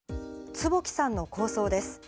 坪木さんの構想です。